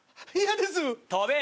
嫌です。